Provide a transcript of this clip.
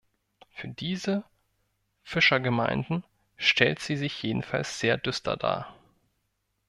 Für diese Fischergemeinden stellt sie sich jedenfalls sehr düster dar.